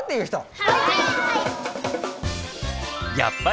はい！